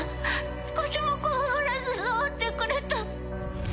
少しも怖がらず触ってくれた。